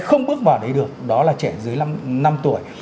không bước vào đấy được đó là trẻ dưới năm tuổi